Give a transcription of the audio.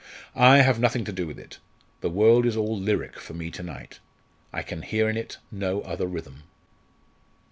I have nothing to do with it. The world is all lyric for me to night. I can hear in it no other rhythm."